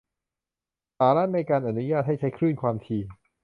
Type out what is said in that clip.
สาระในการอนุญาตให้ใช้คลื่นความถี่